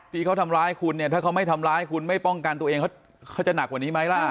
ที่เขาทำร้ายคุณเนี่ยถ้าเขาไม่ทำร้ายคุณไม่ป้องกันตัวเองเขาจะหนักกว่านี้ไหมล่ะ